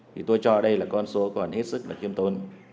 thì tôi cho đây là con số còn hết sức là kiêm tôn